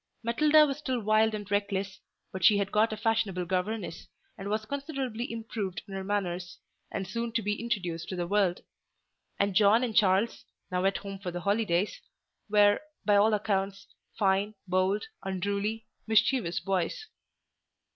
Matilda was still wild and reckless, but she had got a fashionable governess, and was considerably improved in her manners, and soon to be introduced to the world; and John and Charles (now at home for the holidays) were, by all accounts, "fine, bold, unruly, mischievous boys."